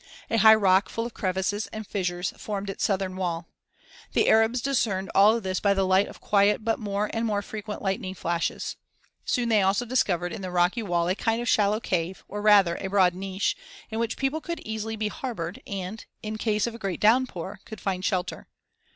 A high rock full of crevices and fissures formed its southern wall. The Arabs discerned all this by the light of quiet but more and more frequent lightning flashes. Soon they also discovered in the rocky wall a kind of shallow cave or, rather, a broad niche, in which people could easily be harbored and, in case of a great downpour, could find shelter.